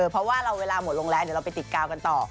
เพราะว่าเวลาหมดลงแล้วเดี๋ยวเราไปติดกาวกันต่อ